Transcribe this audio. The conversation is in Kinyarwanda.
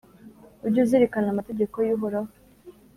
Ujye uzirikana amategeko y’Uhoraho,